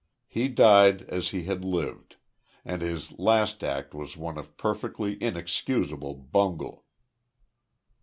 He died as he had lived, and his last act was one of perfectly inexcusable bungle.